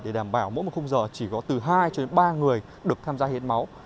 để đảm bảo mỗi một khung giờ chỉ có từ hai cho đến ba người được tham gia hiến máu